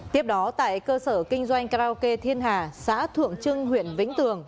tiếp đó tại cơ sở kinh doanh karaoke thiên hà xã thượng trưng huyện vĩnh tường